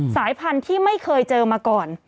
สายพันธุ์ที่ไม่เคยเจอมาก่อน